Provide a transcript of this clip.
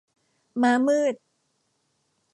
ม้ามืด